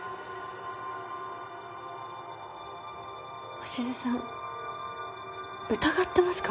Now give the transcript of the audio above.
鷲津さん疑ってますか？